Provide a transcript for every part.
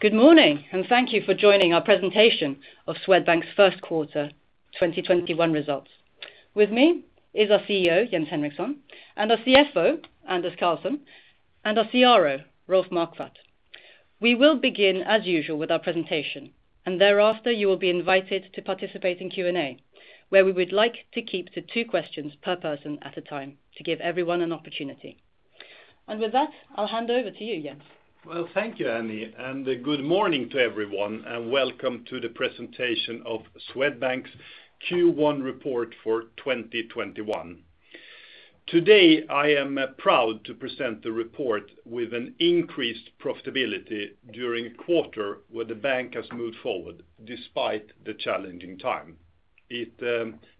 Good morning, and thank you for joining our presentation of Swedbank's first quarter 2021 results. With me is our CEO, Jens Henriksson, and our CFO, Anders Karlsson, and our CRO, Rolf Marquardt. We will begin, as usual, with our presentation, and thereafter, you will be invited to participate in Q&A, where we would like to keep to two questions per person at a time to give everyone an opportunity. With that, I'll hand over to you, Jens. Well, thank you, Annie. Good morning to everyone, and welcome to the presentation of Swedbank's Q1 report for 2021. Today, I am proud to present the report with an increased profitability during a quarter where the bank has moved forward despite the challenging time. It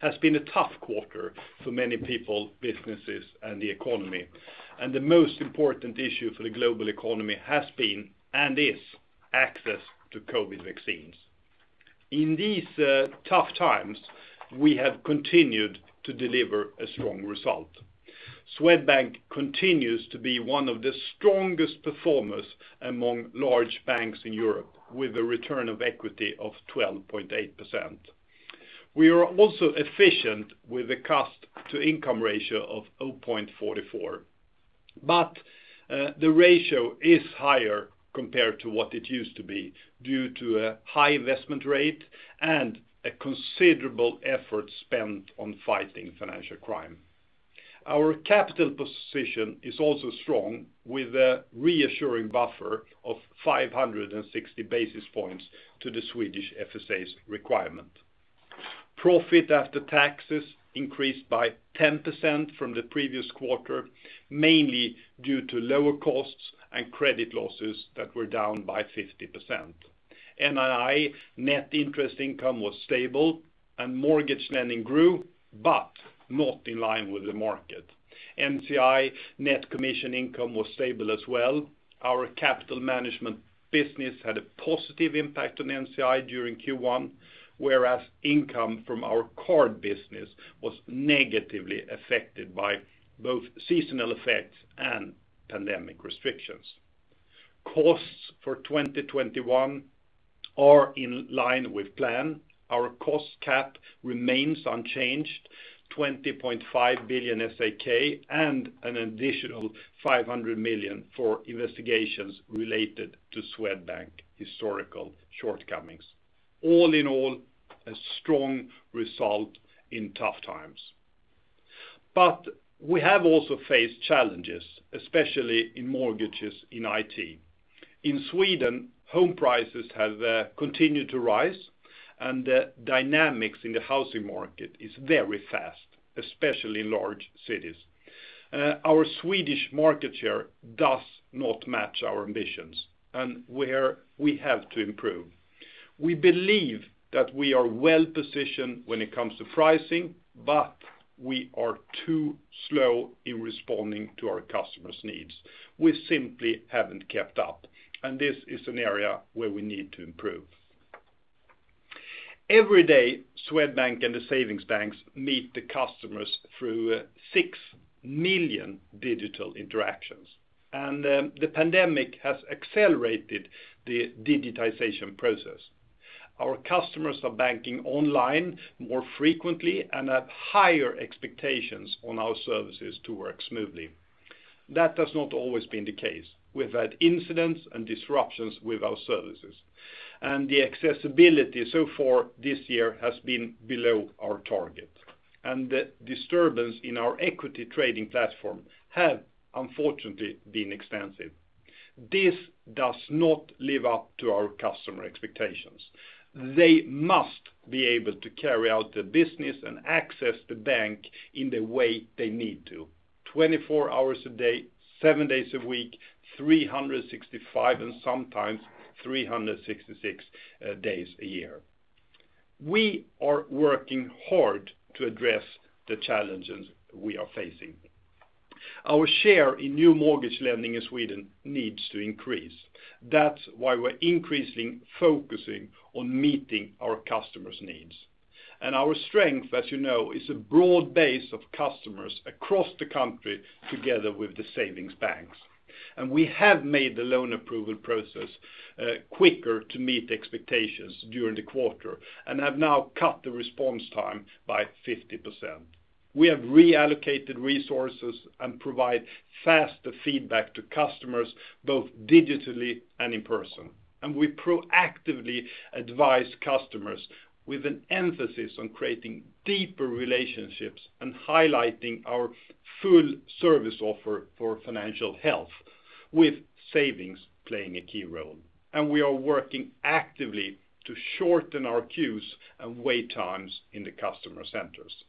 has been a tough quarter for many people, businesses, and the economy, and the most important issue for the global economy has been and is access to COVID vaccines. In these tough times, we have continued to deliver a strong result. Swedbank continues to be one of the strongest performers among large banks in Europe with a return on equity of 12.8%. We are also efficient with the cost to income ratio of 0.44. The ratio is higher compared to what it used to be due to a high investment rate and a considerable effort spent on fighting financial crime. Our capital position is also strong with a reassuring buffer of 560 basis points to the Swedish FSA's requirement. Profit after taxes increased by 10% from the previous quarter, mainly due to lower costs and credit losses that were down by 50%. NII, net interest income, was stable and mortgage lending grew, but not in line with the market. NCI, net commission income, was stable as well. Our capital management business had a positive impact on NCI during Q1, whereas income from our card business was negatively affected by both seasonal effects and pandemic restrictions. Costs for 2021 are in line with plan. Our cost cap remains unchanged, 20.5 billion SEK, and an additional 500 million for investigations related to Swedbank historical shortcomings. All in all, a strong result in tough times. We have also faced challenges, especially in mortgages and IT. In Sweden, home prices have continued to rise, and the dynamics in the housing market is very fast, especially in large cities. Our Swedish market share does not match our ambitions and where we have to improve. We believe that we are well-positioned when it comes to pricing, but we are too slow in responding to our customers' needs. We simply haven't kept up, and this is an area where we need to improve. Every day, Swedbank and the savings banks meet the customers through six million digital interactions, and the pandemic has accelerated the digitization process. Our customers are banking online more frequently and have higher expectations on our services to work smoothly. That has not always been the case. We've had incidents and disruptions with our services, the accessibility so far this year has been below our target, and the disturbance in our equity trading platform have unfortunately been extensive. This does not live up to our customer expectations. They must be able to carry out their business and access the bank in the way they need to, 24 hours a day, seven days a week, 365 days, and sometimes 366 days a year. We are working hard to address the challenges we are facing. Our share in new mortgage lending in Sweden needs to increase. That's why we're increasing focusing on meeting our customers' needs. Our strength, as you know, is a broad base of customers across the country together with the savings banks. We have made the loan approval process quicker to meet expectations during the quarter and have now cut the response time by 50%. We have reallocated resources and provide faster feedback to customers, both digitally and in person. We proactively advise customers with an emphasis on creating deeper relationships and highlighting our full service offer for financial health, with savings playing a key role. We are working actively to shorten our queues and wait times in the customer centers.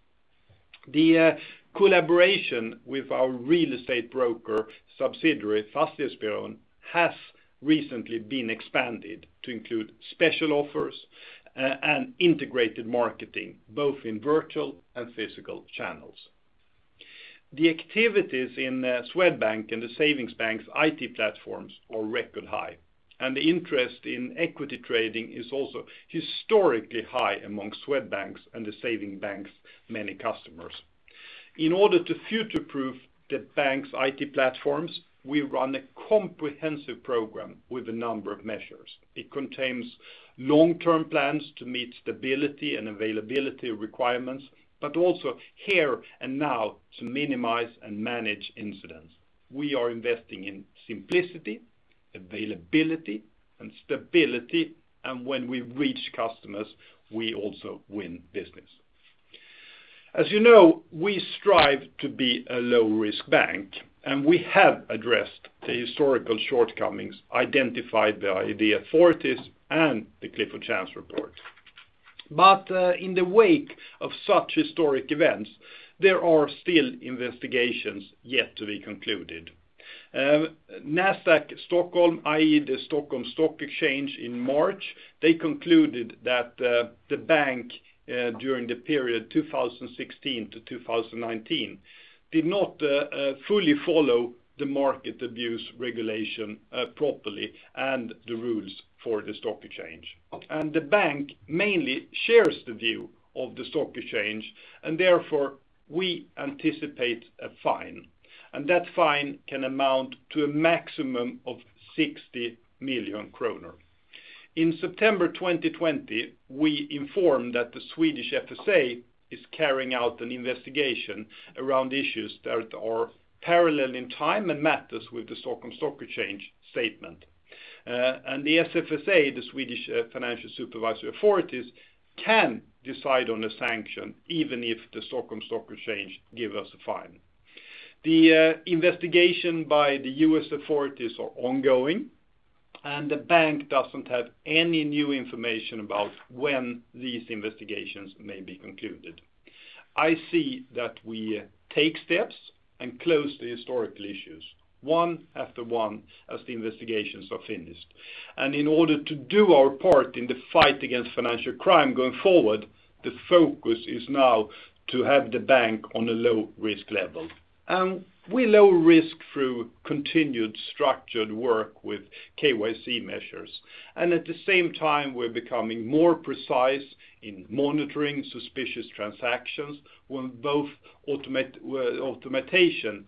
The collaboration with our real estate broker subsidiary, Fastighetsbyrån, has recently been expanded to include special offers and integrated marketing, both in virtual and physical channels. The activities in Swedbank and the savings banks' IT platforms are record high, and the interest in equity trading is also historically high among Swedbank's and the savings banks' many customers. In order to future-proof the bank's IT platforms, we run a comprehensive program with a number of measures. It contains long-term plans to meet stability and availability requirements, but also here and now to minimize and manage incidents. We are investing in simplicity, availability, and stability, and when we reach customers, we also win business. As you know, we strive to be a low-risk bank, and we have addressed the historical shortcomings identified by the authorities and the Clifford Chance report. In the wake of such historic events, there are still investigations yet to be concluded. Nasdaq Stockholm, i.e., the Stockholm Stock Exchange in March, they concluded that the bank, during the period 2016 to 2019, did not fully follow the Market Abuse Regulation properly and the rules for the Stock Exchange. The bank mainly shares the view of the Stock Exchange, and therefore we anticipate a fine, and that fine can amount to a maximum of 60 million kronor. In September 2020, we informed that the Swedish FSA is carrying out an investigation around issues that are parallel in time and matters with the Stockholm Stock Exchange statement. The SFSA, the Swedish Financial Supervisory Authority, can decide on a sanction even if the Stockholm Stock Exchange give us a fine. The investigation by the U.S. authorities are ongoing, and the bank doesn't have any new information about when these investigations may be concluded. I see that we take steps and close the historical issues one after one as the investigations are finished. In order to do our part in the fight against financial crime going forward, the focus is now to have the bank on a low-risk level. We low risk through continued structured work with KYC measures. At the same time, we're becoming more precise in monitoring suspicious transactions when both automation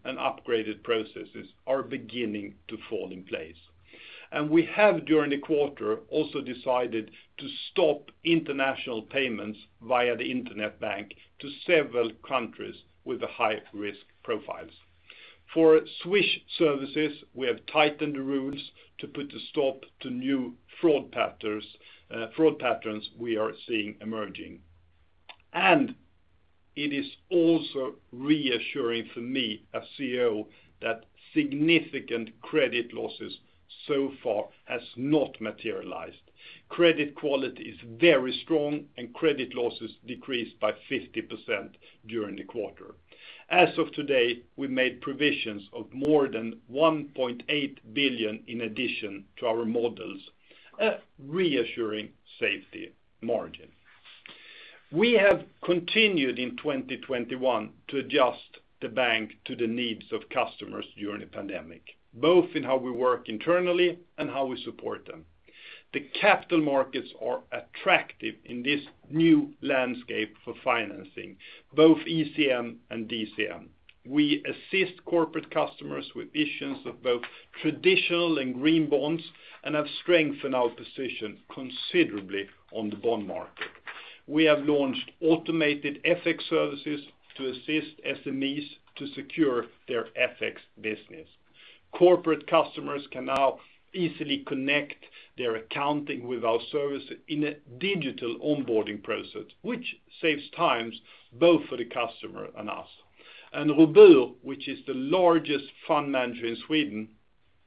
and upgraded processes are beginning to fall in place. We have, during the quarter, also decided to stop international payments via the internet bank to several countries with the high-risk profiles. For Swish services, we have tightened the rules to put a stop to new fraud patterns we are seeing emerging. It is also reassuring for me as CEO that significant credit losses so far has not materialized. Credit quality is very strong, and credit losses decreased by 50% during the quarter. As of today, we made provisions of more than 1.8 billion in addition to our models, a reassuring safety margin. We have continued in 2021 to adjust the bank to the needs of customers during the pandemic, both in how we work internally and how we support them. The capital markets are attractive in this new landscape for financing, both ECM and DCM. We assist corporate customers with issuance of both traditional and green bonds and have strengthened our position considerably on the bond market. We have launched automated FX services to assist SMEs to secure their FX business. Corporate customers can now easily connect their accounting with our service in a digital onboarding process, which saves times both for the customer and us. Robur, which is the largest fund manager in Sweden,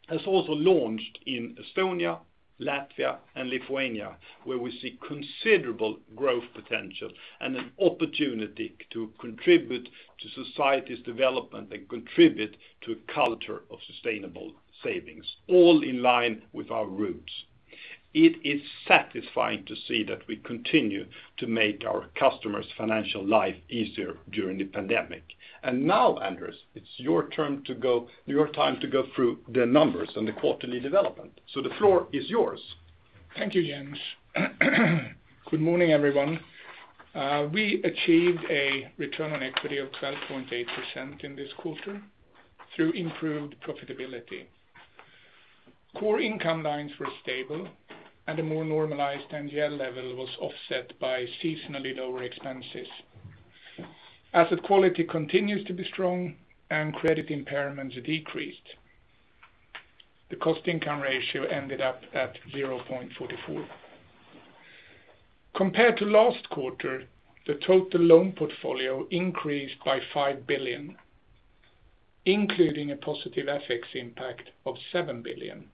has also launched in Estonia, Latvia, and Lithuania, where we see considerable growth potential and an opportunity to contribute to society's development and contribute to a culture of sustainable savings, all in line with our roots. It is satisfying to see that we continue to make our customers' financial life easier during the pandemic. Now, Anders, it's your time to go through the numbers and the quarterly development. The floor is yours. Thank you, Jens. Good morning, everyone. We achieved a return on equity of 12.8% in this quarter through improved profitability. Core income lines were stable and a more normalized NGL level was offset by seasonally lower expenses. Asset quality continues to be strong and credit impairments decreased. The cost income ratio ended up at 0.44. Compared to last quarter, the total loan portfolio increased by 5 billion, including a positive FX impact of 7 billion.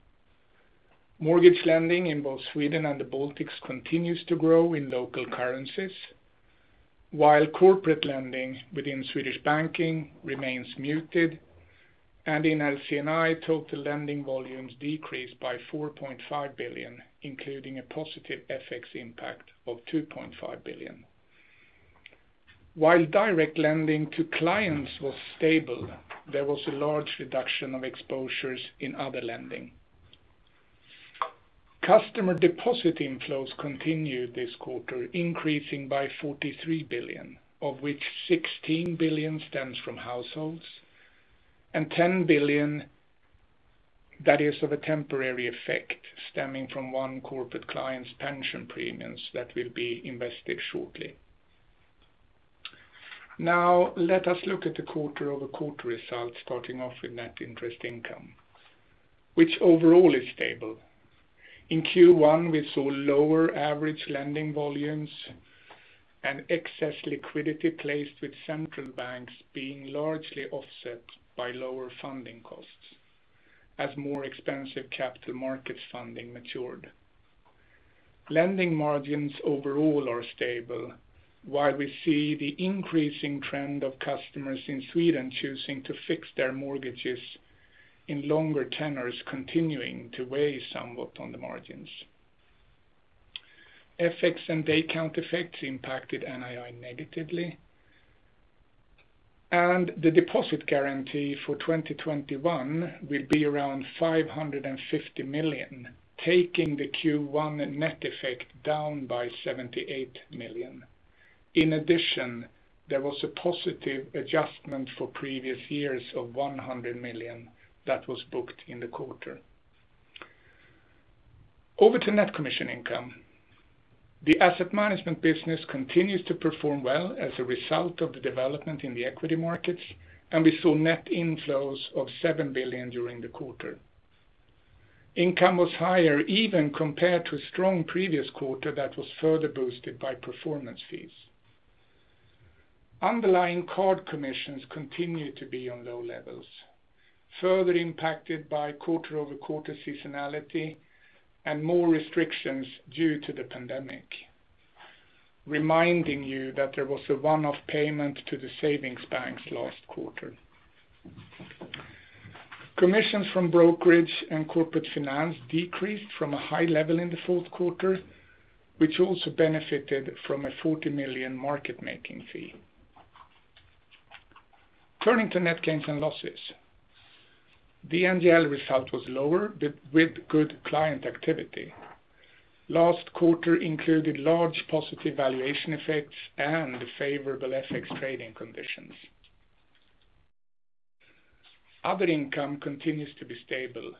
Mortgage lending in both Sweden and the Baltics continues to grow in local currencies, while corporate lending within Swedish Banking remains muted and in LC&I, total lending volumes decreased by 4.5 billion, including a positive FX impact of 2.5 billion. While direct lending to clients was stable, there was a large reduction of exposures in other lending. Customer deposit inflows continued this quarter increasing by 43 billion, of which 16 billion stems from households and 10 billion that is of a temporary effect stemming from one corporate client's pension premiums that will be invested shortly. Now, let us look at the quarter-over-quarter results starting off with net interest income, which overall is stable. In Q1, we saw lower average lending volumes and excess liquidity placed with central banks being largely offset by lower funding costs, as more expensive capital markets funding matured. Lending margins overall are stable, while we see the increasing trend of customers in Sweden choosing to fix their mortgages in longer tenors continuing to weigh somewhat on the margins. FX and day count effects impacted NII negatively. The deposit guarantee for 2021 will be around 550 million, taking the Q1 net effect down by 78 million. In addition, there was a positive adjustment for previous years of 100 million that was booked in the quarter. Over to net commission income. The asset management business continues to perform well as a result of the development in the equity markets, and we saw net inflows of 7 billion during the quarter. Income was higher even compared to a strong previous quarter that was further boosted by performance fees. Underlying card commissions continue to be on low levels, further impacted by quarter-over-quarter seasonality and more restrictions due to the pandemic, reminding you that there was a one-off payment to the savings banks last quarter. Commissions from brokerage and corporate finance decreased from a high level in the fourth quarter, which also benefited from a 40 million market-making fee. Turning to net gains and losses. The NGL result was lower with good client activity. Last quarter included large positive valuation effects and favorable FX trading conditions. Other income continues to be stable.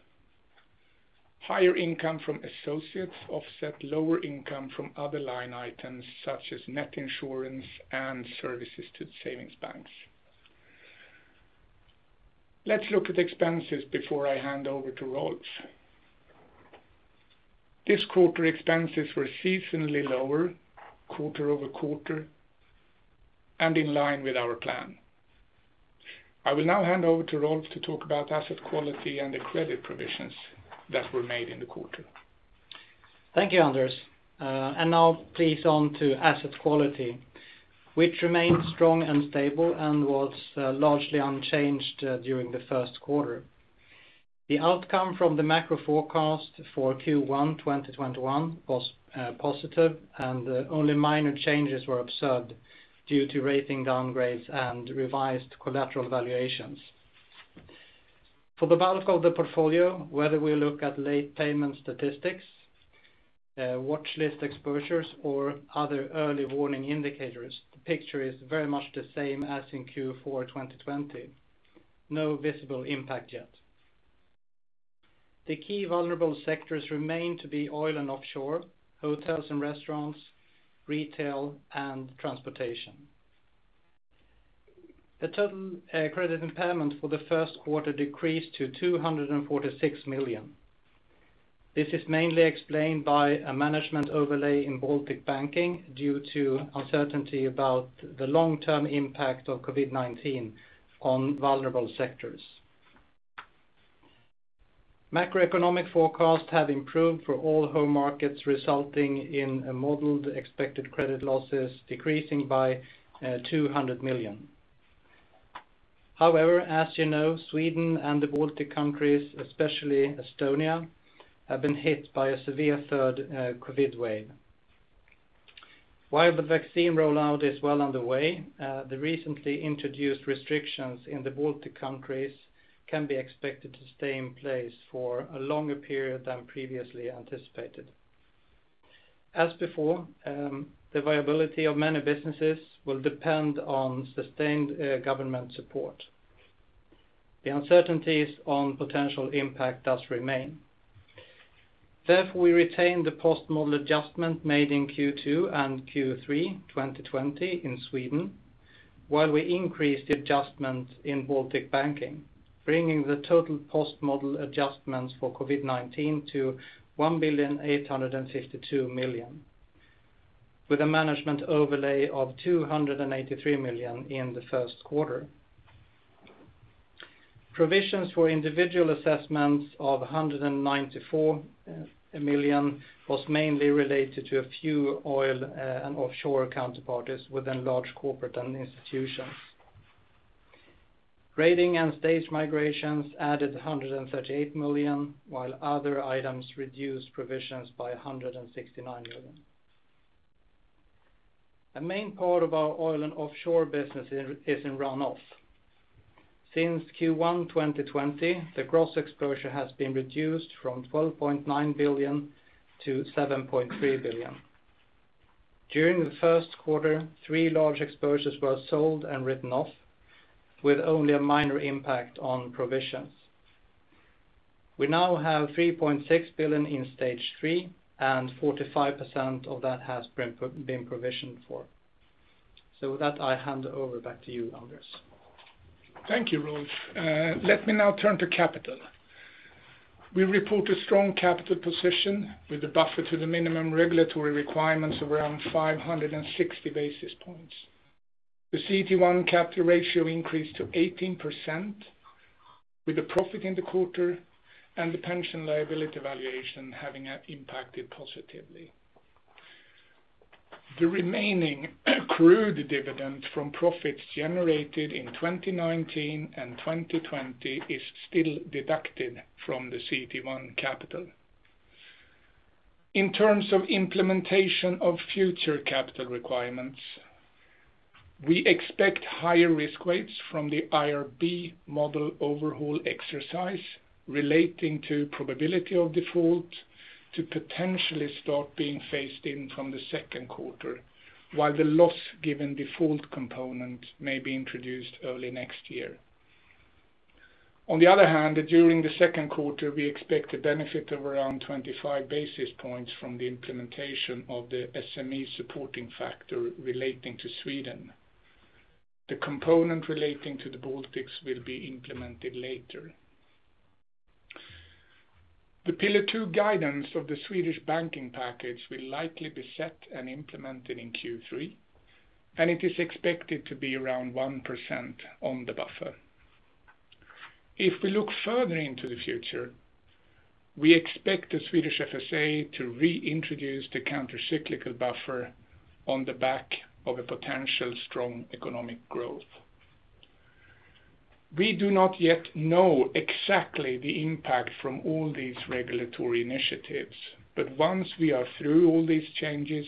Higher income from associates offset lower income from other line items such as net insurance and services to savings banks. Let's look at expenses before I hand over to Rolf. This quarter expenses were seasonally lower quarter-over-quarter and in line with our plan. I will now hand over to Rolf to talk about asset quality and the credit provisions that were made in the quarter. Thank you, Anders. Now please on to asset quality, which remained strong and stable and was largely unchanged during the first quarter. The outcome from the macro forecast for Q1 2021 was positive and only minor changes were observed due to rating downgrades and revised collateral valuations. For the bulk of the portfolio, whether we look at late payment statistics, watchlist exposures, or other early warning indicators, the picture is very much the same as in Q4 2020. No visible impact yet. The key vulnerable sectors remain to be oil and offshore, hotels and restaurants, retail, and transportation. The total credit impairment for the first quarter decreased to 246 million. This is mainly explained by a management overlay in Baltic banking due to uncertainty about the long-term impact of COVID-19 on vulnerable sectors. Macroeconomic forecasts have improved for all home markets resulting in modeled expected credit losses decreasing by 200 million. However, as you know, Sweden and the Baltic countries, especially Estonia, have been hit by a severe third COVID-19 wave. While the vaccine rollout is well underway, the recently introduced restrictions in the Baltic countries can be expected to stay in place for a longer period than previously anticipated. As before, the viability of many businesses will depend on sustained government support. The uncertainties on potential impact does remain. Therefore, we retain the post-model adjustment made in Q2 and Q3 2020 in Sweden, while we increase the adjustments in Baltic banking, bringing the total post-model adjustments for COVID-19 to 1,852 million, with a management overlay of 283 million in the first quarter. Provisions for individual assessments of 194 million was mainly related to a few oil and offshore counterparties within Large Corporates & Institutions. Rating and stage migrations added 138 million, while other items reduced provisions by 169 million. A main part of our oil and offshore business is in run-off. Since Q1 2020, the gross exposure has been reduced from 12.9 billion to 7.3 billion. During the first quarter, three large exposures were sold and written off with only a minor impact on provisions. We now have 3.6 billion in stage 3 and 45% of that has been provisioned for. With that, I hand over back to you, Anders. Thank you, Rolf. Let me now turn to capital. We report a strong capital position with a buffer to the minimum regulatory requirements of around 560 basis points. The CET1 capital ratio increased to 18%, with a profit in the quarter and the pension liability valuation having impacted positively. The remaining accrued dividend from profits generated in 2019 and 2020 is still deducted from the CET1 capital. In terms of implementation of future capital requirements, we expect higher risk weights from the IRB model overhaul exercise relating to probability of default to potentially start being phased in from the second quarter, while the loss given default component may be introduced early next year. On the other hand, during the second quarter, we expect a benefit of around 25 basis points from the implementation of the SME supporting factor relating to Sweden. The component relating to the Baltics will be implemented later. The Pillar 2 guidance of the Swedish banking package will likely be set and implemented in Q3, and it is expected to be around 1% on the buffer. If we look further into the future, we expect the Swedish FSA to reintroduce the countercyclical buffer on the back of a potential strong economic growth. We do not yet know exactly the impact from all these regulatory initiatives, but once we are through all these changes,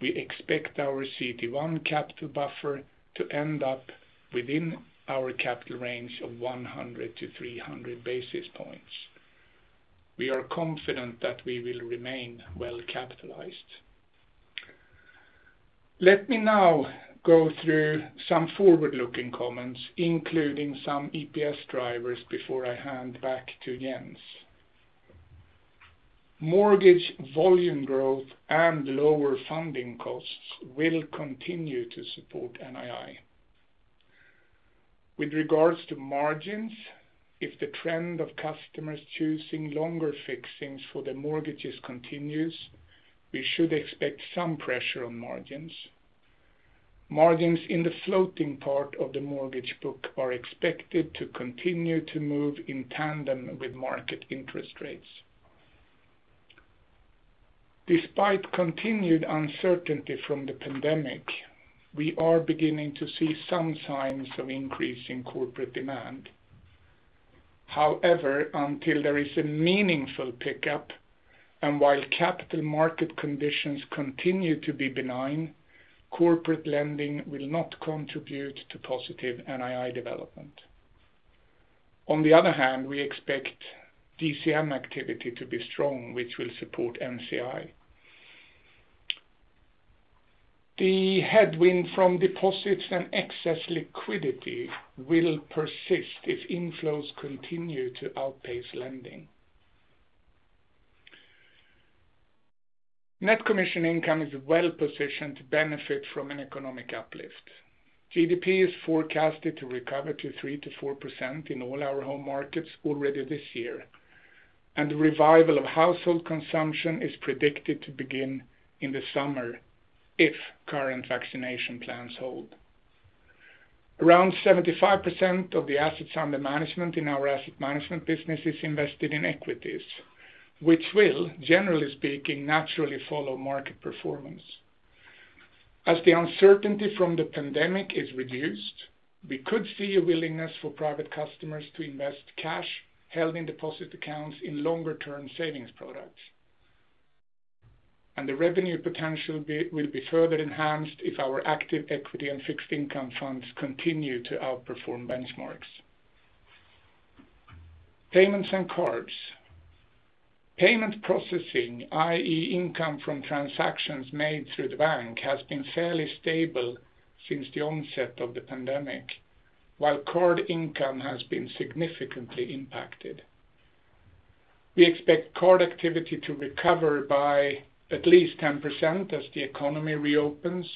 we expect our CET1 capital buffer to end up within our capital range of 100 basis points-300 basis points. We are confident that we will remain well capitalized. Let me now go through some forward-looking comments, including some EPS drivers before I hand back to Jens. Mortgage volume growth and lower funding costs will continue to support NII. With regards to margins, if the trend of customers choosing longer fixings for their mortgages continues, we should expect some pressure on margins. Margins in the floating part of the mortgage book are expected to continue to move in tandem with market interest rates. Despite continued uncertainty from the pandemic, we are beginning to see some signs of increase in corporate demand. However, until there is a meaningful pickup and while capital market conditions continue to be benign, corporate lending will not contribute to positive NII development. On the other hand, we expect DCM activity to be strong, which will support NCI. The headwind from deposits and excess liquidity will persist if inflows continue to outpace lending. Net commission income is well positioned to benefit from an economic uplift. GDP is forecasted to recover to 3%-4% in all our home markets already this year. The revival of household consumption is predicted to begin in the summer if current vaccination plans hold. Around 75% of the assets under management in our asset management business is invested in equities, which will, generally speaking, naturally follow market performance. As the uncertainty from the pandemic is reduced, we could see a willingness for private customers to invest cash held in deposit accounts in longer-term savings products. The revenue potential will be further enhanced if our active equity and fixed income funds continue to outperform benchmarks. Payments and cards. Payment processing, i.e. income from transactions made through the bank, has been fairly stable since the onset of the pandemic, while card income has been significantly impacted. We expect card activity to recover by at least 10% as the economy reopens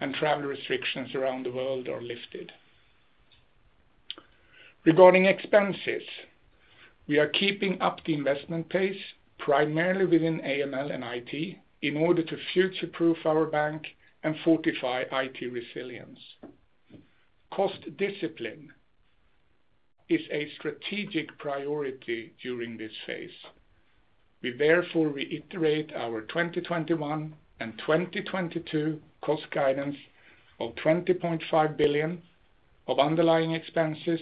and travel restrictions around the world are lifted. Regarding expenses, we are keeping up the investment pace primarily within AML and IT in order to future-proof our bank and fortify IT resilience. Cost discipline is a strategic priority during this phase. We therefore reiterate our 2021 and 2022 cost guidance of 20.5 billion of underlying expenses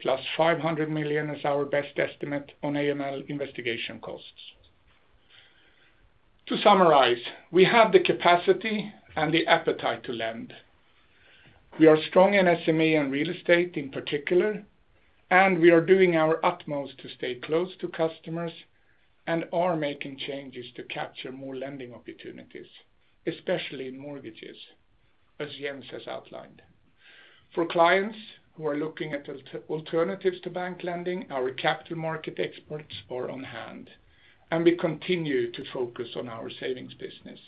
plus 500 million as our best estimate on AML investigation costs. To summarize, we have the capacity and the appetite to lend. We are strong in SME and real estate in particular, and we are doing our utmost to stay close to customers and are making changes to capture more lending opportunities, especially in mortgages, as Jens has outlined. For clients who are looking at alternatives to bank lending, our capital market experts are on hand, and we continue to focus on our savings business.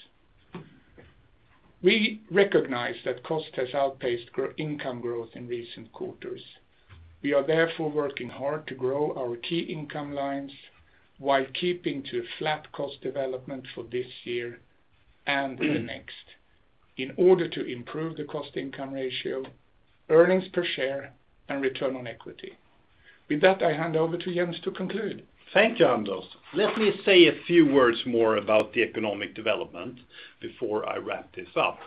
We recognize that cost has outpaced income growth in recent quarters. We are therefore working hard to grow our key income lines while keeping to a flat cost development for this year and the next in order to improve the cost-income ratio, earnings per share, and return on equity. With that, I hand over to Jens to conclude. Thank you, Anders. Let me say a few words more about the economic development before I wrap this up.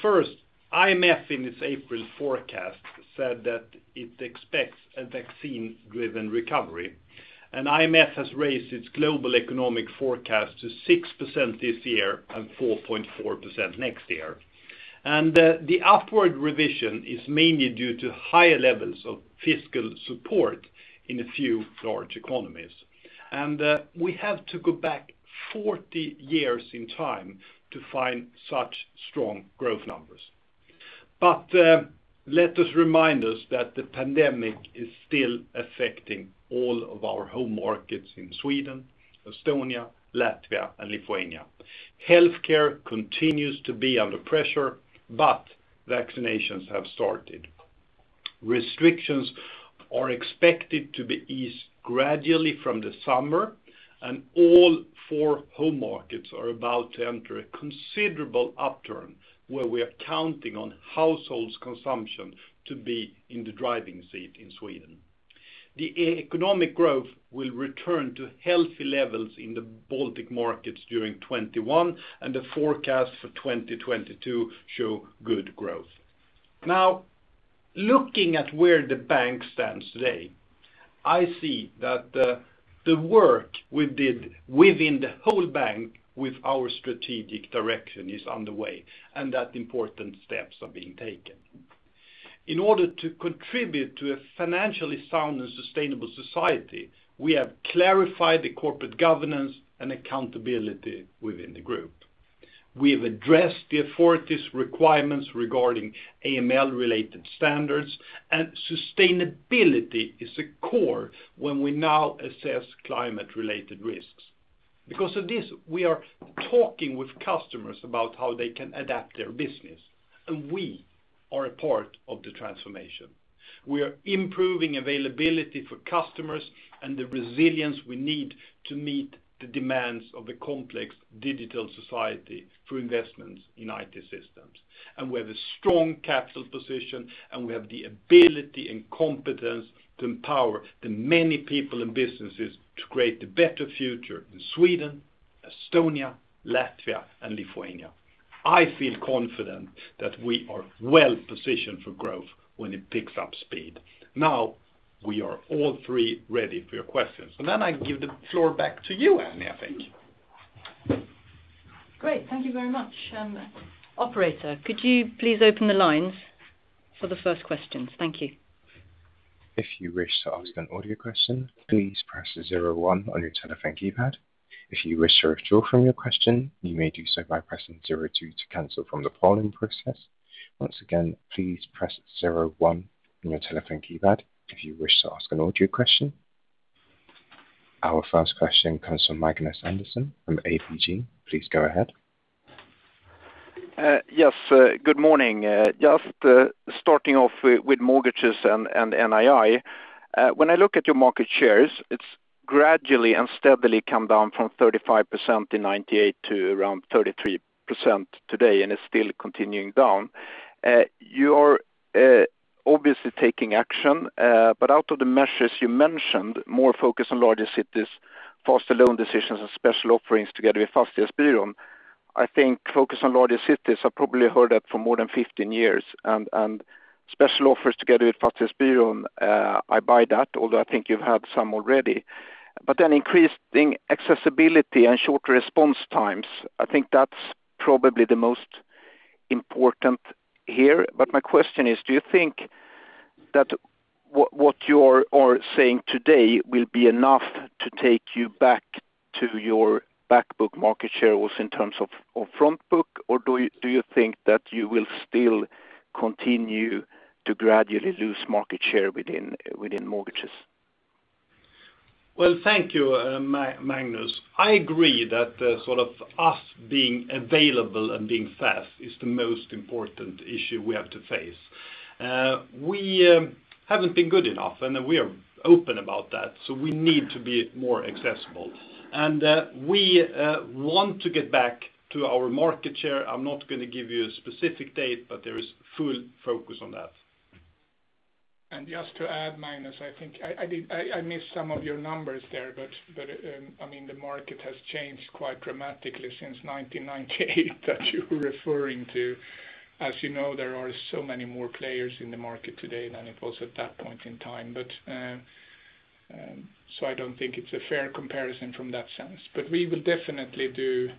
First, IMF in its April forecast said that it expects a vaccine-driven recovery. IMF has raised its global economic forecast to 6% this year and 4.4% next year. The upward revision is mainly due to higher levels of fiscal support in a few large economies. We have to go back 40 years in time to find such strong growth numbers. Let us remind us that the pandemic is still affecting all of our home markets in Sweden, Estonia, Latvia, and Lithuania. Healthcare continues to be under pressure. Vaccinations have started. Restrictions are expected to be eased gradually from the summer, and all four home markets are about to enter a considerable upturn where we are counting on households' consumption to be in the driving seat in Sweden. The economic growth will return to healthy levels in the Baltic markets during 2021, and the forecast for 2022 show good growth. Now, looking at where the bank stands today, I see that the work we did within the whole bank with our strategic direction is underway, and that important steps are being taken. In order to contribute to a financially sound and sustainable society, we have clarified the corporate governance and accountability within the group. We've addressed the authorities' requirements regarding AML-related standards, and sustainability is a core when we now assess climate-related risks. We are talking with customers about how they can adapt their business. We are a part of the transformation. We are improving availability for customers and the resilience we need to meet the demands of the complex digital society through investments in IT systems. We have a strong capital position. We have the ability and competence to empower the many people and businesses to create a better future in Sweden, Estonia, Latvia, and Lithuania. I feel confident that we are well-positioned for growth when it picks up speed. We are all three ready for your questions. I give the floor back to you, Annie, I think. Great. Thank you very much. Operator, could you please open the lines for the first questions? Thank you. Our first question comes from Magnus Andersson from ABG. Please go ahead. Yes. Good morning. Just starting off with mortgages and NII. When I look at your market shares, it's gradually and steadily come down from 35% in 1998 to around 33% today, and it's still continuing down. You are obviously taking action, but out of the measures you mentioned, more focus on larger cities, faster loan decisions, and special offerings together with Fastighetsbyrån, I think focus on larger cities, I probably heard that for more than 15 years, and special offers together with Fastighetsbyrån, I buy that, although I think you've had some already. Increasing accessibility and short response times, I think that's probably the most important here. My question is, do you think that what you are saying today will be enough to take you back to your back book market share was in terms of front book? Do you think that you will still continue to gradually lose market share within mortgages? Well, thank you, Magnus. I agree that us being available and being fast is the most important issue we have to face. We haven't been good enough, and we are open about that. We need to be more accessible. We want to get back to our market share. I'm not going to give you a specific date, but there is full focus on that. Just to add, Magnus, I missed some of your numbers there, but the market has changed quite dramatically since 1998 that you're referring to. As you know, there are so many more players in the market today than it was at that point in time. I don't think it's a fair comparison from that sense, but we will definitely do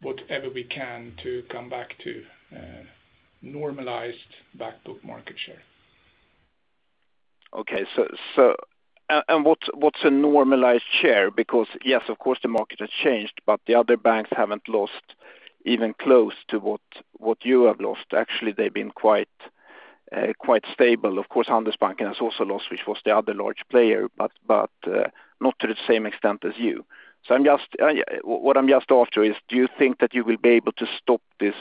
whatever we can to come back to normalized back book market share. Okay. What's a normalized share? Yes, of course, the market has changed, but the other banks haven't lost even close to what you have lost. Actually, they've been quite stable. Of course, [Handelsbanken]. has also lost, which was the other large player, but not to the same extent as you. What I'm just after is, do you think that you will be able to stop this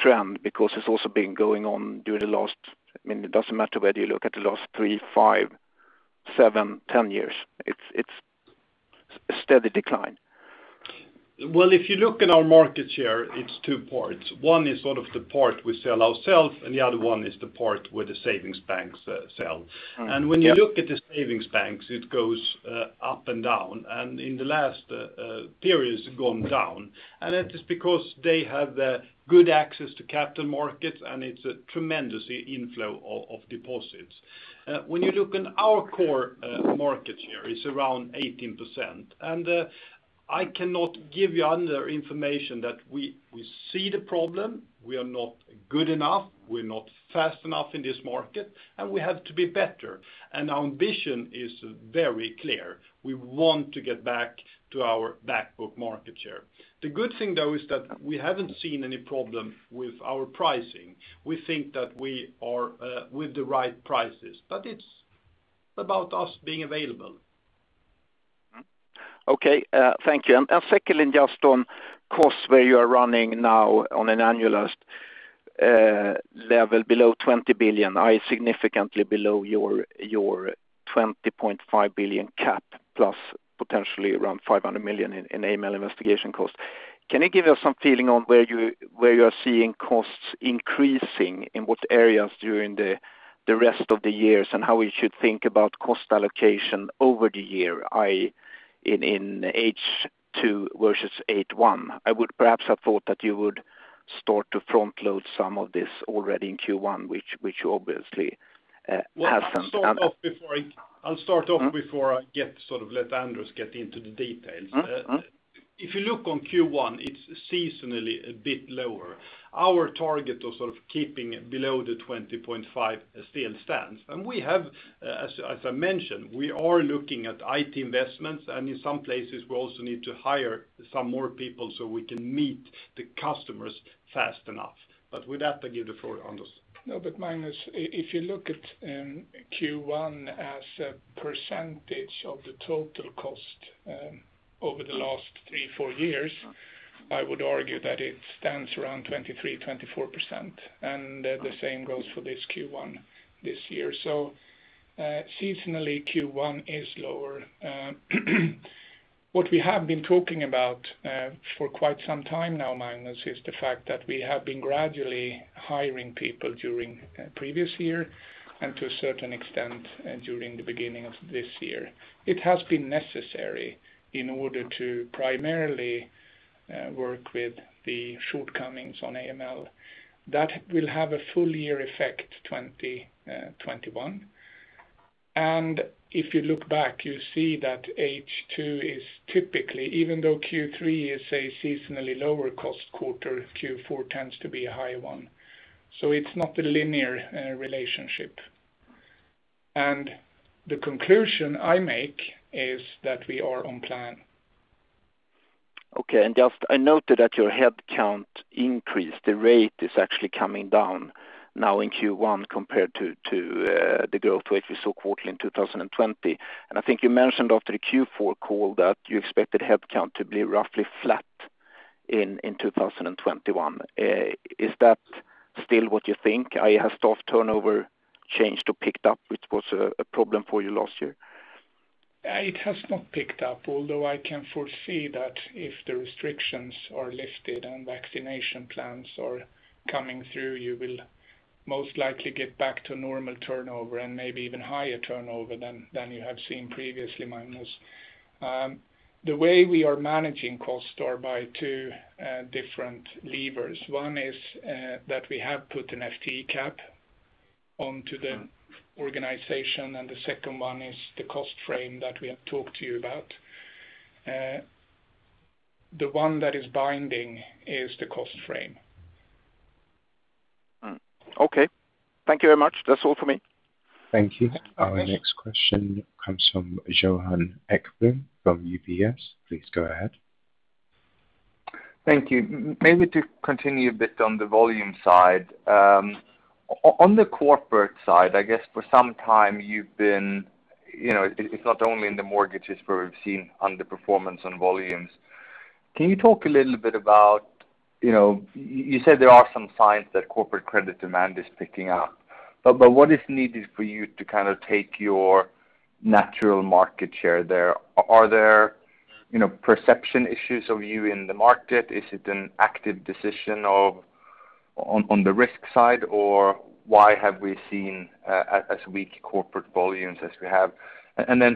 trend because it's also been going on during the last, it doesn't matter whether you look at the last three years, five years, seven years, 10 years, it's a steady decline. Well, if you look at our market share, it's two parts. One is the part we sell ourselves, and the other one is the part where the savings banks sell. Mm-hmm. Yep. When you look at the savings banks, it goes up and down, and in the last period it's gone down, and it is because they have good access to capital markets, and it's a tremendous inflow of deposits. When you look at our core market share, it's around 18%, and I cannot give you other information that we see the problem. We are not good enough, we're not fast enough in this market, and we have to be better. Our ambition is very clear. We want to get back to our back book market share. The good thing, though, is that we haven't seen any problem with our pricing. We think that we are with the right prices, but it's about us being available. Okay thank you. Secondly, just on costs, where you are running now on an annualized level below 20 billion, significantly below your 20.5 billion cap plus potentially around 500 million in AML investigation cost. Can you give us some feeling on where you are seeing costs increasing in what areas during the rest of the years, and how we should think about cost allocation over the year, i.e., in H2 versus H1? Perhaps I thought that you would start to front load some of this already in Q1. I'll start off before I let Anders get into the details. If you look on Q1, it's seasonally a bit lower. Our target of keeping below the 20.5 billion still stands. We have, as I mentioned, we are looking at IT investments, and in some places we also need to hire some more people so we can meet the customers fast enough. With that, I give the floor to Anders. No, Magnus, if you look at Q1 as a percentage of the total cost over the last three years, four years, I would argue that it stands around 23%-24%, and the same goes for this Q1 this year. Seasonally, Q1 is lower. What we have been talking about for quite some time now, Magnus, is the fact that we have been gradually hiring people during previous year and to a certain extent during the beginning of this year. It has been necessary in order to primarily work with the shortcomings on AML. That will have a full year effect 2021. If you look back, you see that H2 is typically, even though Q3 is a seasonally lower cost quarter, Q4 tends to be a high one. It's not a linear relationship. The conclusion I make is that we are on plan. Okay. Just I noted that your headcount increase, the rate is actually coming down now in Q1 compared to the growth rate we saw quarterly in 2020. I think you mentioned after the Q4 call that you expected headcount to be roughly flat in 2021. Is that still what you think? Has staff turnover changed or picked up, which was a problem for you last year? It has not picked up, although I can foresee that if the restrictions are lifted and vaccination plans are coming through, you will most likely get back to normal turnover and maybe even higher turnover than you have seen previously, Magnus. The way we are managing costs are by two different levers. One is that we have put an FTE cap onto the organization, and the second one is the cost frame that we have talked to you about. The one that is binding is the cost frame. Okay. Thank you very much. That's all for me. Thank you. Our next question comes from Johan Ekblom from UBS. Please go ahead. Thank you. Maybe to continue a bit on the volume side. On the corporate side, I guess for some time it's not only in the mortgages where we've seen underperformance on volumes. Can you talk a little bit about, you said there are some signs that corporate credit demand is picking up. What is needed for you to take your natural market share there? Are there perception issues of you in the market? Is it an active decision on the risk side, or why have we seen as weak corporate volumes as we have?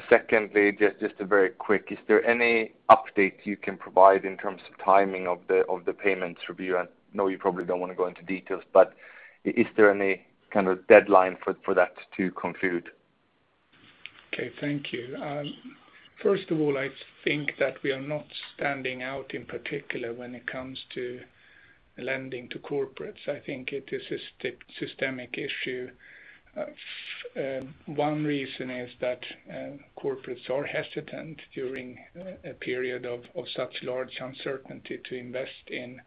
Secondly, just a very quick, is there any update you can provide in terms of timing of the payments review? I know you probably don't want to go into details, but is there any deadline for that to conclude? Okay, thank you. First of all, I think that we are not standing out in particular when it comes to lending to corporates. I think it is a systemic issue. One reason is that corporates are hesitant during a period of such large uncertainty to invest in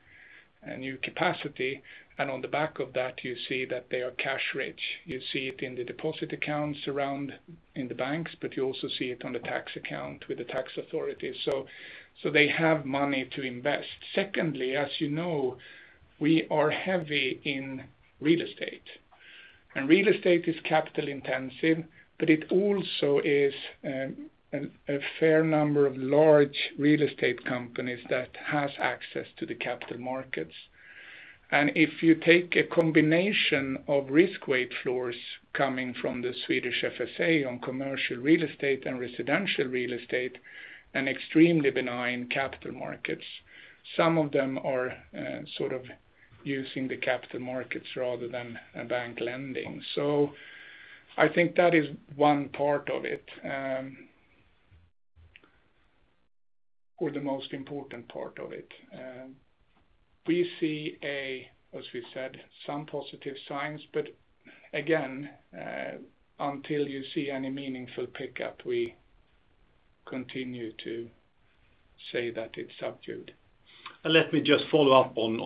new capacity. On the back of that, you see that they are cash rich. You see it in the deposit accounts around in the banks, you also see it on the tax account with the tax authorities. They have money to invest. Secondly, as you know, we are heavy in real estate, real estate is capital intensive, it also is a fair number of large real estate companies that have access to the capital markets. If you take a combination of risk weight floors coming from the Swedish FSA on commercial real estate and residential real estate and extremely benign capital markets, some of them are using the capital markets rather than bank lending. I think that is one part of it or the most important part of it. We see, as we said, some positive signs, but again until you see any meaningful pickup, we continue to say that it's subdued. Let me just follow up on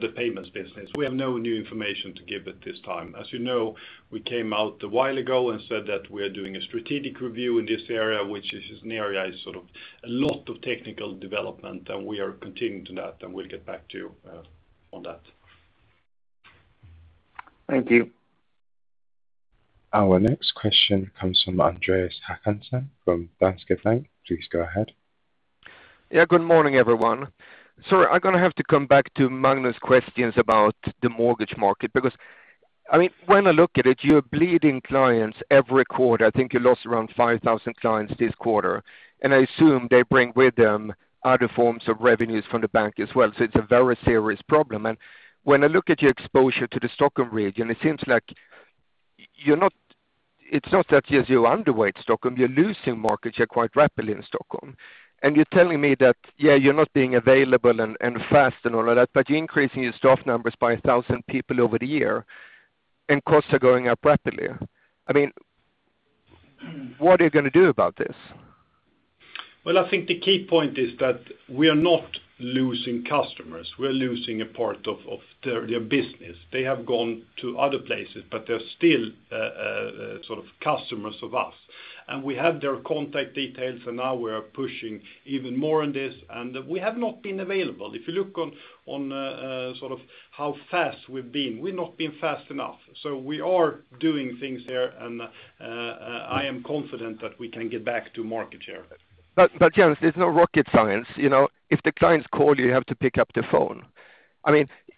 the payments business. We have no new information to give at this time. As you know, we came out a while ago and said that we are doing a strategic review in this area, which is an area with a lot of technical development, and we are continuing to do that, and we'll get back to you on that. Thank you. Our next question comes from Andreas Håkansson from Danske Bank. Please go ahead. Good morning, everyone. Sorry, I'm going to have to come back to Magnus' questions about the mortgage market because when I look at it, you're bleeding clients every quarter. I think you lost around 5,000 clients this quarter. I assume they bring with them other forms of revenues from the bank as well, so it's a very serious problem. When I look at your exposure to the Stockholm region, it seems like it's not that you underweight Stockholm, you're losing market share quite rapidly in Stockholm. You're telling me that you're not being available and fast and all of that, but you're increasing your staff numbers by 1,000 people over the year and costs are going up rapidly. What are you going to do about this? Well, I think the key point is that we are not losing customers. We're losing a part of their business. They have gone to other places, but they're still customers of us. We have their contact details, and now we are pushing even more on this. We have not been available. If you look at how fast we've been, we've not been fast enough. We are doing things there, and I am confident that we can get back to market share. Jens, it's not rocket science. If the clients call you have to pick up the phone.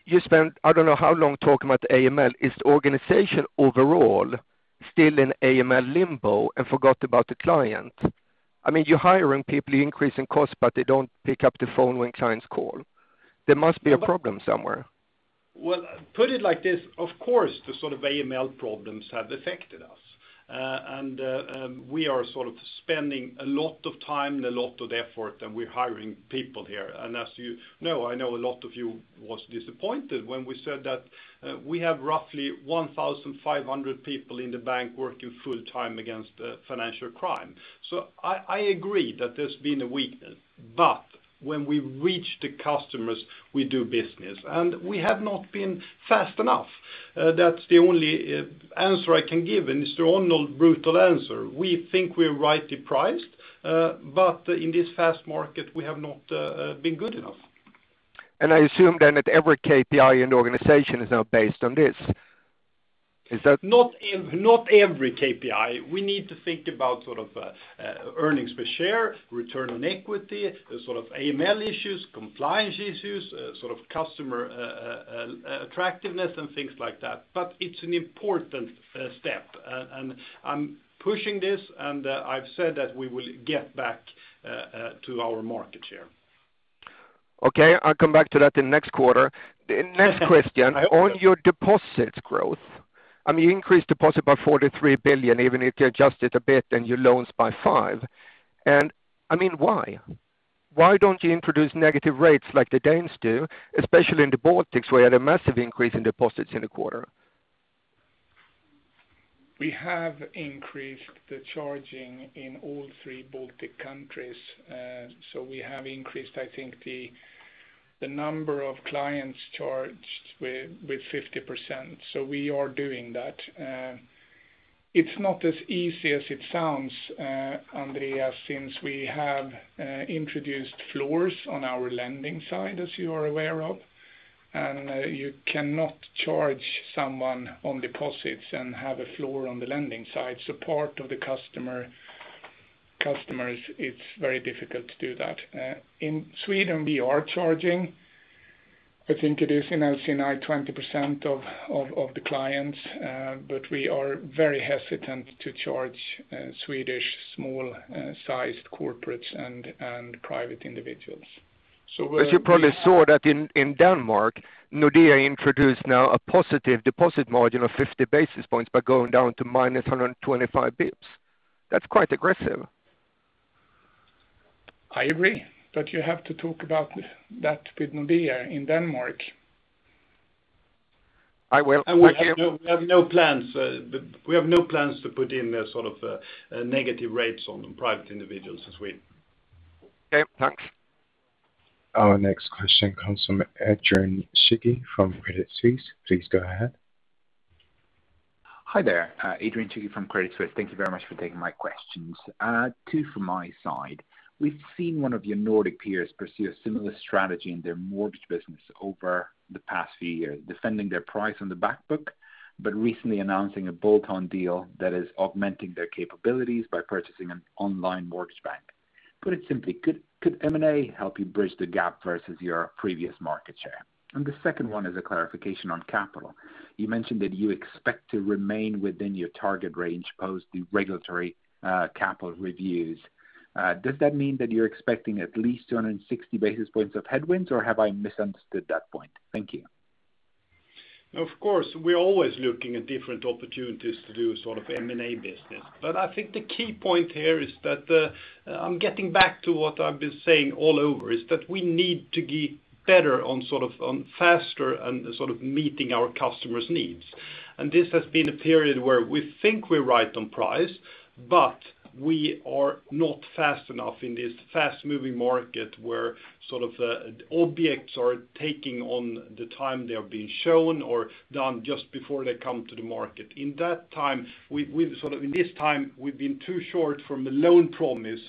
You spent I don't know how long talking about the AML. Is the organization overall still in AML limbo and forgot about the client? You're hiring people, you're increasing costs, but they don't pick up the phone when clients call. There must be a problem somewhere. Well, put it like this. Of course, the AML problems have affected us. We are spending a lot of time and a lot of effort, and we're hiring people here. As you know, I know a lot of you was disappointed when we said that we have roughly 1,500 people in the bank working full time against financial crime. I agree that there's been a weakness, but when we reach the customers, we do business. We have not been fast enough. That's the only answer I can give, and it's the only brutal answer. We think we're rightly priced, but in this fast market, we have not been good enough. I assume then that every KPI in the organization is now based on this. Is that? Not every KPI. We need to think about earnings per share, return on equity, AML issues, compliance issues, customer attractiveness and things like that. It's an important step, and I'm pushing this, and I've said that we will get back to our market share. Okay. I'll come back to that in the next quarter. The next question. I hope so. On your deposit growth. You increased deposit by 43 billion, even if you adjust it a bit, and your loans by 5 billion. Why? Why don't you introduce negative rates like the Danes do, especially in the Baltics, where you had a massive increase in deposits in the quarter? We have increased the charging in all three Baltic countries. We have increased, I think, the number of clients charged with 50%. We are doing that. It's not as easy as it sounds, Andreas, since we have introduced floors on our lending side, as you are aware of, and you cannot charge someone on deposits and have a floor on the lending side. Part of the customers, it's very difficult to do that. In Sweden, we are charging. I think it is in LC&I, 20% of the clients, but we are very hesitant to charge Swedish small-sized corporates and private individuals. As you probably saw that in Denmark, Nordea introduced now a positive deposit margin of 50 basis points by going down to -125 basis points. That's quite aggressive. I agree, but you have to talk about that with Nordea in Denmark. I will. Thank you. We have no plans to put in negative rates on private individuals in Sweden. Okay, thanks. Our next question comes from [Adrian Cighi] from Credit Suisse. Please go ahead. Hi there, [Adrian Cighi] from Credit Suisse. Thank you very much for taking my questions. Two from my side. We've seen one of your Nordic peers pursue a similar strategy in their mortgage business over the past few years, defending their price on the back book, but recently announcing a bolt-on deal that is augmenting their capabilities by purchasing an online mortgage bank. Put it simply, could M&A help you bridge the gap versus your previous market share? The second one is a clarification on capital. You mentioned that you expect to remain within your target range post the regulatory capital reviews. Does that mean that you're expecting at least 260 basis points of headwinds, or have I misunderstood that point? Thank you. We're always looking at different opportunities to do sort of M&A business. I think the key point here is that, I'm getting back to what I've been saying all over, is that we need to get better on faster and meeting our customers' needs. This has been a period where we think we're right on price, but we are not fast enough in this fast-moving market where objects are taking on the time they are being shown or done just before they come to the market. In this time, we've been too short from a loan promise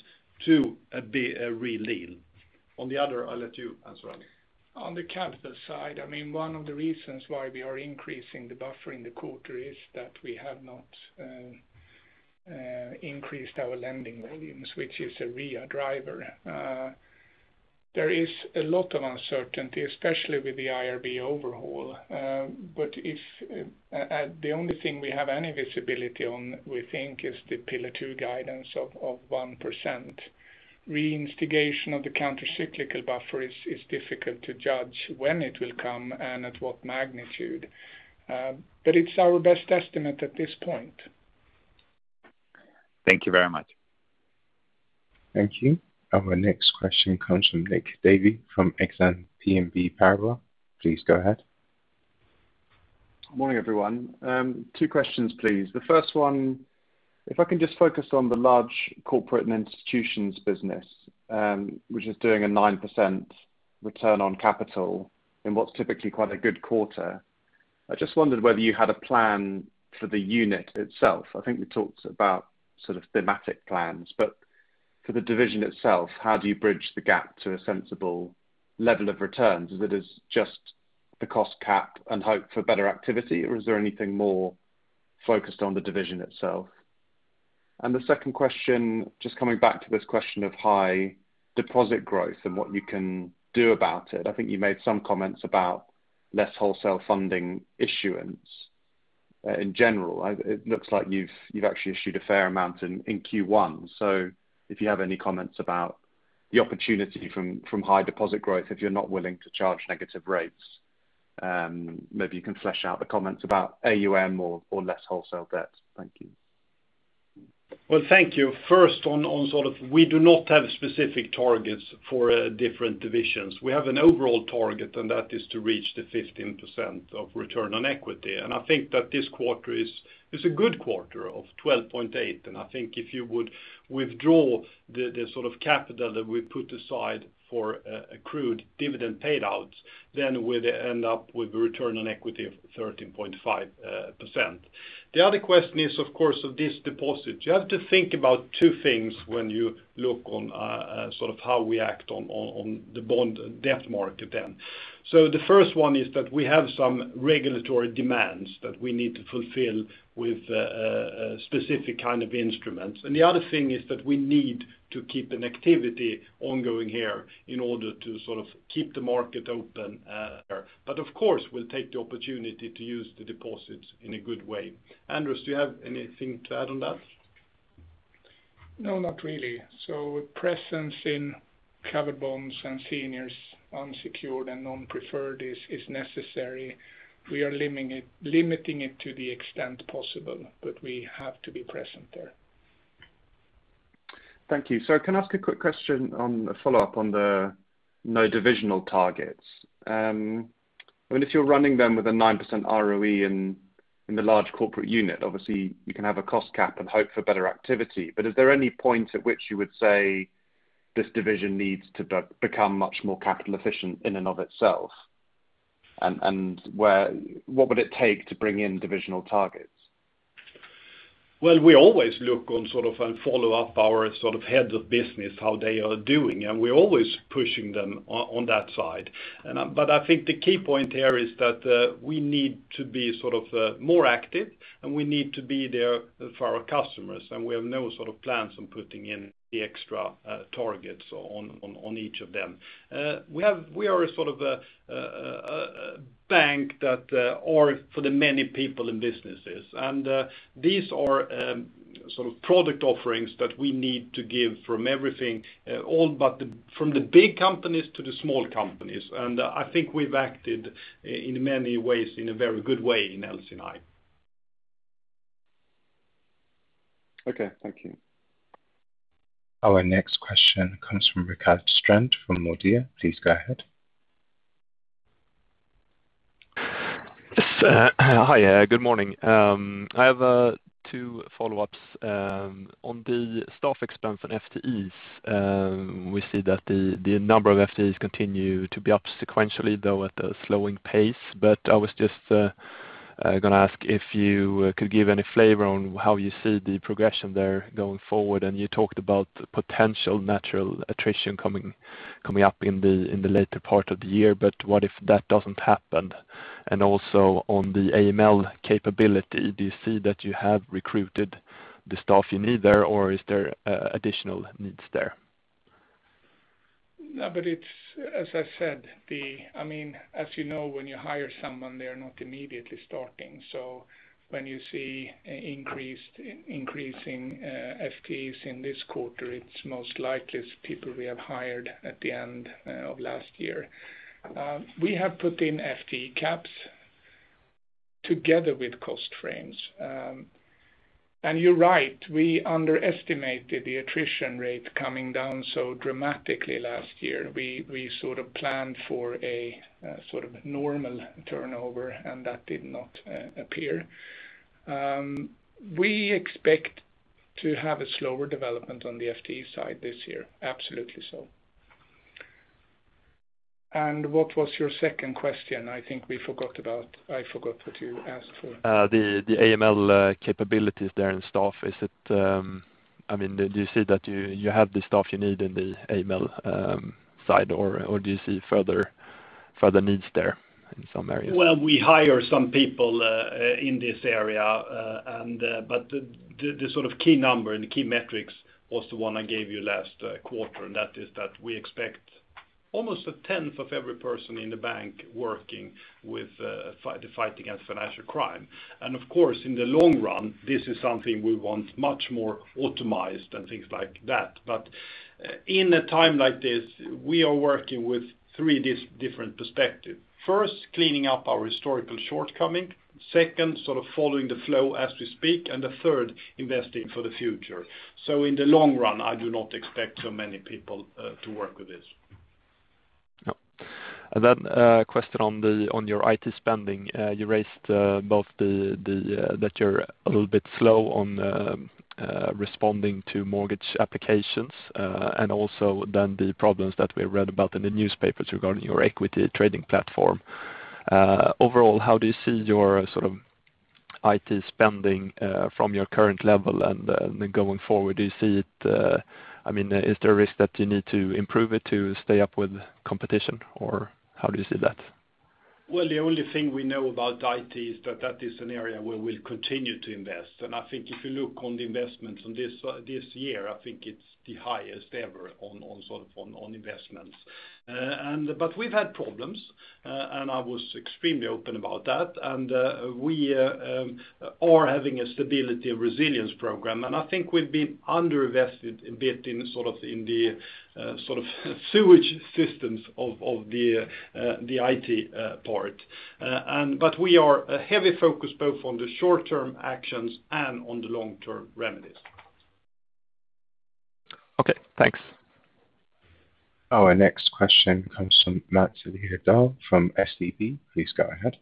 to be a real deal. On the other, I'll let you answer. On the capital side, one of the reasons why we are increasing the buffer in the quarter is that we have not increased our lending volumes, which is a real driver. There is a lot of uncertainty, especially with the IRB overhaul. The only thing we have any visibility on, we think, is the pillar 2 guidance of 1%. Reinstigation of the countercyclical buffer is difficult to judge when it will come and at what magnitude. It's our best estimate at this point. Thank you very much. Thank you. Our next question comes from Nick Davey from Exane BNP Paribas. Please go ahead. Morning, everyone. Two questions, please. The first one, if I can just focus on the Large Corporates & Institutions business, which is doing a 9% return on capital in what's typically quite a good quarter. I just wondered whether you had a plan for the unit itself. I think we talked about thematic plans, but for the division itself, how do you bridge the gap to a sensible level of returns? Is it as just the cost cap and hope for better activity, or is there anything more focused on the division itself? The second question, just coming back to this question of high deposit growth and what you can do about it. I think you made some comments about less wholesale funding issuance in general. It looks like you've actually issued a fair amount in Q1. If you have any comments about the opportunity from high deposit growth, if you're not willing to charge negative rates, maybe you can flesh out the comments about AUM or less wholesale debt. Thank you. Well, thank you. First, we do not have specific targets for different divisions. We have an overall target, and that is to reach the 15% of return on equity. I think that this quarter is a good quarter of 12.8%. I think if you would withdraw the capital that we put aside for accrued dividend payouts, we'd end up with a return on equity of 13.5%. The other question is, of course, this deposit. You have to think about two things when you look on how we act on the bond debt market. The first one is that we have some regulatory demands that we need to fulfill with specific kind of instruments. The other thing is that we need to keep an activity ongoing here in order to keep the market open. Of course, we'll take the opportunity to use the deposits in a good way. Anders, do you have anything to add on that? No, not really. Presence in covered bonds and senior unsecured and non-preferred is necessary. We are limiting it to the extent possible, but we have to be present there. Thank you. Can I ask a quick question on a follow-up on the no divisional targets? If you're running them with a 9% ROE in the large corporate unit, obviously, you can have a cost cap and hope for better activity. Is there any point at which you would say this division needs to become much more capital efficient in and of itself? What would it take to bring in divisional targets? Well, we always look on and follow up our heads of business, how they are doing, and we're always pushing them on that side. I think the key point here is that we need to be more active, and we need to be there for our customers, and we have no plans on putting in the extra targets on each of them. We are a bank that are for the many people in businesses. These are product offerings that we need to give from the big companies to the small companies. I think we've acted in many ways in a very good way in LC&I. Okay, thank you. Our next question comes from Rickard Strand from Nordea. Please go ahead. Yes. Hi, good morning. I have two follow-ups. On the staff expense and FTEs, we see that the number of FTEs continue to be up sequentially, though at a slowing pace. I was just going to ask if you could give any flavor on how you see the progression there going forward, and you talked about potential natural attrition coming up in the later part of the year, but what if that doesn't happen? Also on the AML capability, do you see that you have recruited the staff you need there, or is there additional needs there? As I said, as you know when you hire someone, they are not immediately starting. When you see increasing FTEs in this quarter, it's most likely it's people we have hired at the end of last year. We have put in FTE caps together with cost frames. You're right, we underestimated the attrition rate coming down so dramatically last year. We planned for a normal turnover, and that did not appear. We expect to have a slower development on the FTE side this year. Absolutely so. What was your second question? I think I forgot what you asked for. The AML capabilities there in staff, do you see that you have the staff you need in the AML side, or do you see further needs there in some areas? Well, we hire some people in this area, the key number and the key metrics was the one I gave you last quarter, that is that we expect almost a 10th of every person in the bank working with the fight against financial crime. Of course, in the long run, this is something we want much more automized and things like that. In a time like this, we are working with three different perspective. First, cleaning up our historical shortcoming; second, following the flow as we speak; and the third, investing for the future. In the long run, I do not expect so many people to work with this. Yeah. A question on your IT spending. You raised both that you're a little bit slow on responding to mortgage applications, and also then the problems that we read about in the newspapers regarding your equity trading platform. Overall, how do you see your IT spending from your current level and then going forward? Is there a risk that you need to improve it to stay up with competition, or how do you see that? Well, the only thing we know about IT is that that is an area where we'll continue to invest. I think if you look on the investments on this year, I think it's the highest ever on investments. We've had problems, and I was extremely open about that, and we are having a Stability Resilience Program, and I think we've been under-invested a bit in the sewage systems of the IT part. We are heavy focused both on the short-term actions and on the long-term remedies. Okay, thanks. Our next question comes from [Maths Liljedahl] from SEB. Please go ahead.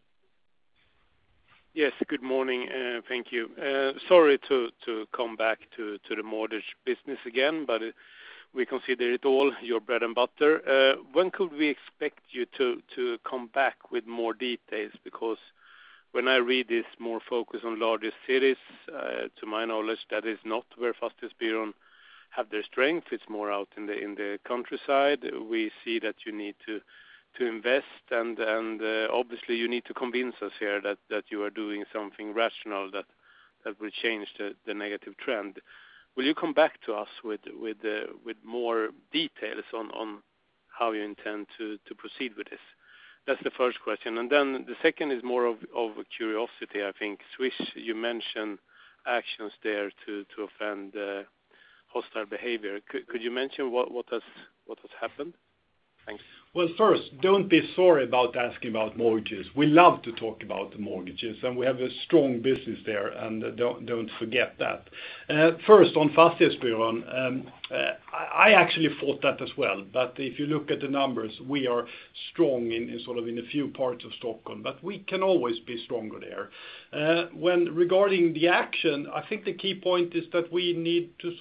Yes, good morning. Thank you. Sorry to come back to the mortgage business again, we consider it all your bread and butter. When could we expect you to come back with more details? Because when I read this, more focus on largest cities, to my knowledge, that is not where Fastighetsbyrån have their strength. It's more out in the countryside. We see that you need to invest, and obviously you need to convince us here that you are doing something rational that will change the negative trend. Will you come back to us with more details on how you intend to proceed with this? That's the first question. The second is more of curiosity, I think. Swish, you mentioned actions there to fend off hostile behavior. Could you mention what has happened? Thanks. Well, first, don't be sorry about asking about mortgages. We love to talk about the mortgages, and we have a strong business there, and don't forget that. First on Fastighetsbyrån, I actually thought that as well. If you look at the numbers, we are strong in a few parts of Stockholm, but we can always be stronger there. Regarding the action, I think the key point is that we need to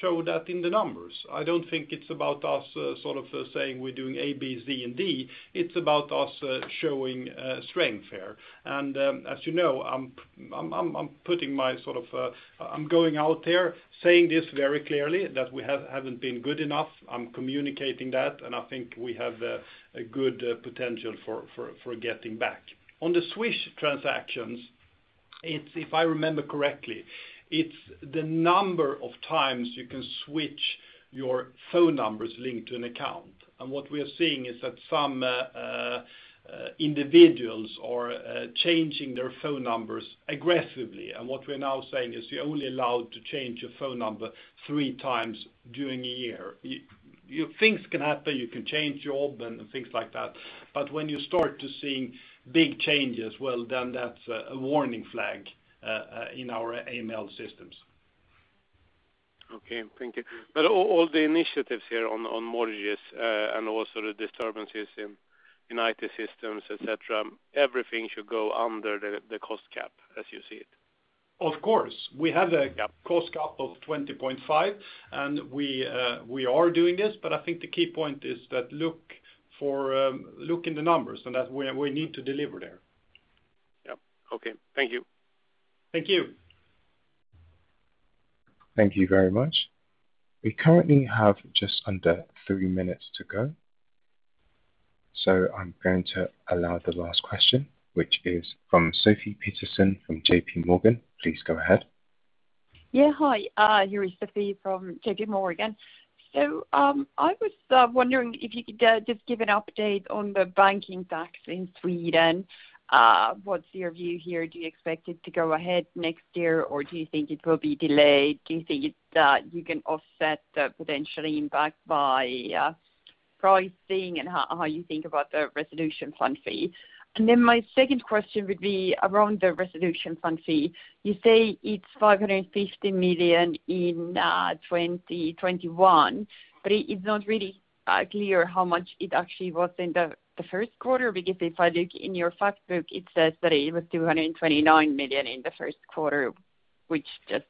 show that in the numbers. I don't think it's about us saying we're doing A, B, C, and D. It's about us showing strength there. As you know, I'm going out there saying this very clearly that we haven't been good enough. I'm communicating that, and I think we have a good potential for getting back. On the Swish transactions. If I remember correctly, it's the number of times you can switch your phone numbers linked to an account. What we are seeing is that some individuals are changing their phone numbers aggressively. What we're now saying is you're only allowed to change your phone number three times during a year. Things can happen. You can change job and things like that. When you start to seeing big changes, well, then that's a warning flag in our AML systems. Okay. Thank you. All the initiatives here on mortgages, and also the disturbances in IT systems, et cetera, everything should go under the cost cap as you see it? Of course. We have. Cap. Cost cap of 20.5, and we are doing this, but I think the key point is that look in the numbers, and that we need to deliver there. Yep. Okay. Thank you. Thank you. Thank you very much. We currently have just under three minutes to go. I'm going to allow the last question, which is from [Sofie Peterzens] from JPMorgan. Please go ahead. Yeah. Hi, here is [Sofie] from JPMorgan. I was wondering if you could just give an update on the banking tax in Sweden. What's your view here? Do you expect it to go ahead next year, or do you think it will be delayed? Do you think that you can offset the potential impact by pricing and how you think about the resolution fund fee? My second question would be around the resolution fund fee. You say it's 550 million in 2021, but it's not really clear how much it actually was in the first quarter, because if I look in your fact book, it says that it was 229 million in the first quarter, which just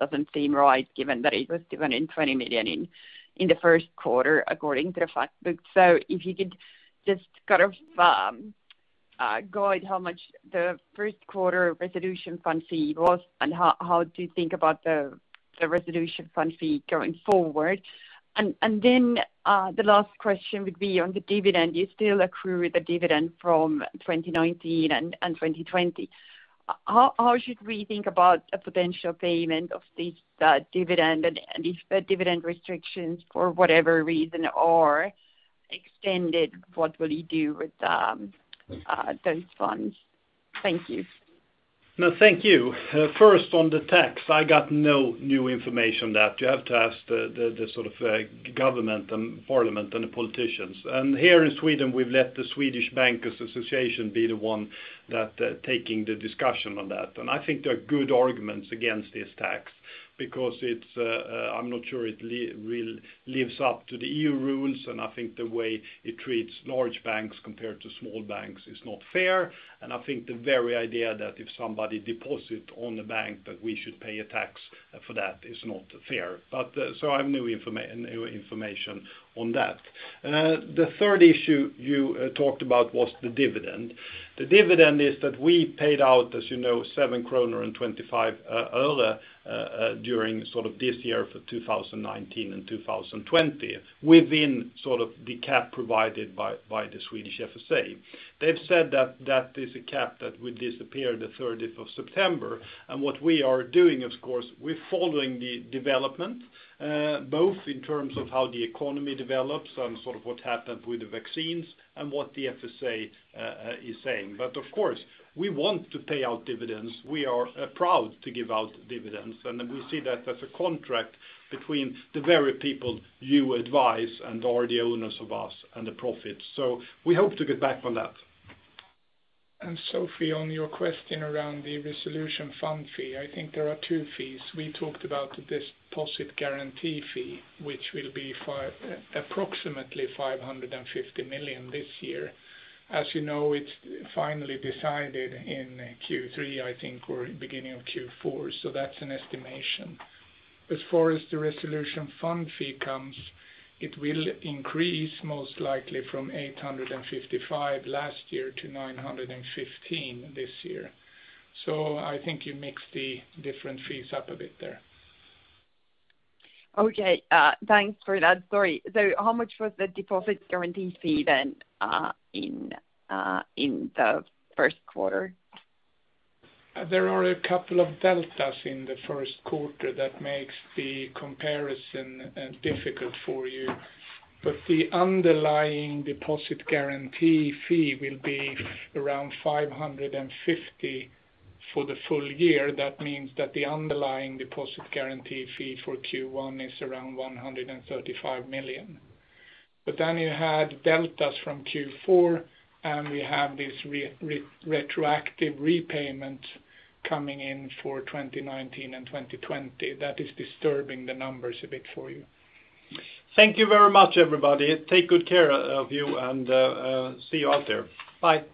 doesn't seem right given that it was 220 million in the first quarter, according to the fact book. If you could just guide how much the first quarter resolution fund fee was, and how do you think about the resolution fund fee going forward? The last question would be on the dividend. You still accrue the dividend from 2019 and 2020. How should we think about a potential payment of this dividend, and if the dividend restrictions, for whatever reason, are extended, what will you do with those funds? Thank you. No, thank you. On the tax, I got no new information on that. You have to ask the government and parliament and the politicians. Here in Sweden, we've let the Swedish Bankers' Association be the one that taking the discussion on that. I think there are good arguments against this tax because I'm not sure it really lives up to the EU rules, and I think the way it treats large banks compared to small banks is not fair. I think the very idea that if somebody deposit on the bank, that we should pay a tax for that is not fair. I have no information on that. The third issue you talked about was the dividend. The dividend is that we paid out, as you know, 7.25 kronor during this year for 2019 and 2020 within the cap provided by the Swedish FSA. They've said that that is a cap that would disappear the 30th of September. What we are doing, of course, we're following the development, both in terms of how the economy develops and what happens with the vaccines and what the FSA is saying. Of course, we want to pay out dividends. We are proud to give out dividends, and we see that as a contract between the very people you advise and are the owners of us and the profits. We hope to get back on that. [Sofie], on your question around the resolution fund fee, I think there are two fees. We talked about the deposit guarantee fee, which will be approximately 550 million this year. As you know, it's finally decided in Q3, I think, or beginning of Q4, so that's an estimation. As far as the resolution fund fee comes, it will increase most likely from 855 million last year to 915 million this year. I think you mixed the different fees up a bit there. Okay. Thanks for that. Sorry. How much was the deposit guarantee fee then in the first quarter? There are a couple of deltas in Q1 that makes the comparison difficult for you. The underlying deposit guarantee fee will be around 550 million for the full year. That means that the underlying deposit guarantee fee for Q1 is around 135 million. You had deltas from Q4, and we have this retroactive repayment coming in for 2019 and 2020. That is disturbing the numbers a bit for you. Thank you very much, everybody. Take good care of you, and see you out there. Bye.